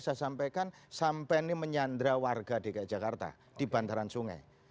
saya sampaikan sampai ini menyandra warga dki jakarta di bantaran sungai